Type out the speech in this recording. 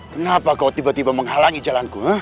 kenapa kau tiba tiba menghalangi jalanku